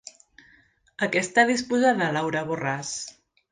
A què està disposada Laura Borràs?